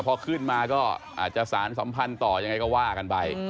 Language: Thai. พอขึ้นมาก็อาจจะสารสัมพันธ์ต่อยังไงก็ว่ากันไป